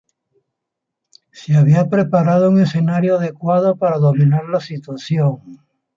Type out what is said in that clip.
Se había preparado un escenario adecuado para dominar la situación.